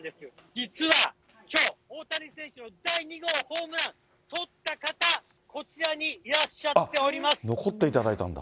実はきょう、大谷選手の第２号ホームラン、捕った方、残っていただいたんだ。